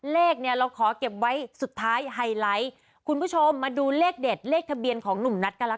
เลขเนี่ยเราขอเก็บไว้สุดท้ายไฮไลท์คุณผู้ชมมาดูเลขเด็ด